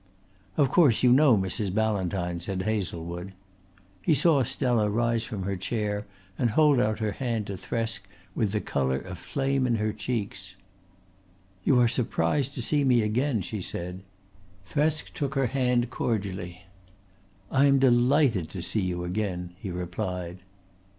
"Of course you know Mrs. Ballantyne," said Hazlewood. He saw Stella rise from her chair and hold out her hand to Thresk with the colour aflame in her cheeks. "You are surprised to see me again," she said. Thresk took her hand cordially. "I am delighted to see you again," he replied.